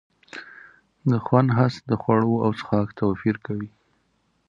د خوند حس د خوړو او څښاک توپیر کوي.